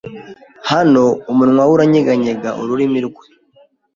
Hano umunwa we uranyeganyega ururimi rwe